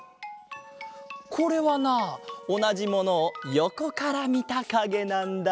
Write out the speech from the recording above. これはなおなじものをよこからみたかげなんだ。